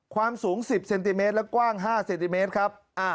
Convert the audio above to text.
ความสูง๑๐เซนติเมตรและกว้าง๕เซนติเมตรครับ